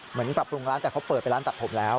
เหมือนปรับปรุงร้านแต่เขาเปิดไปร้านตัดผมแล้ว